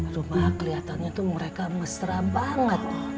rumah kelihatannya tuh mereka mesra banget